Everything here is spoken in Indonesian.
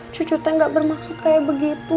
cucu saya gak bermaksud kayak begitu